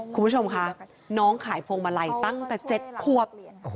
คุณผู้ชมคะน้องขายพวงมาลัยตั้งแต่๗ควบ